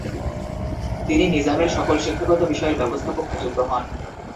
তিনি নিজামের সকল শিক্ষাগত বিষয়ের ব্যবস্থাপক নিযুক্ত হন।